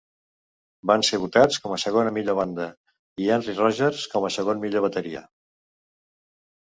Van ser votats com a segona millor banda, i Henry Rogers com a segon millor bateria.